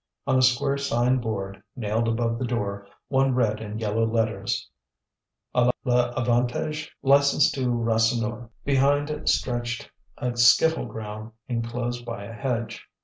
On a square sign board nailed above the door, one read in yellow letters: A l'Avantage, licensed to Rasseneur. Behind stretched a skittle ground enclosed by a hedge.